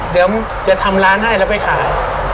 เดี๋ยวจะทำร้านให้แล้วไปขาย